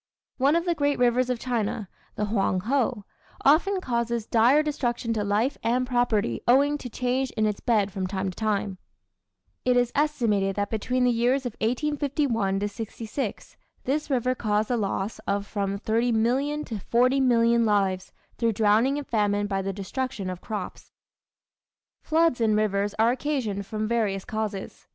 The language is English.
One of the great rivers of China the Hwangho often causes dire destruction to life and property owing to change in its bed from time to time. It is estimated that between the years of 1851 66 this river caused the loss of from 30,000,000 to 40,000,000 lives through drowning and famine by the destruction of crops. Floods in rivers are occasioned from various causes.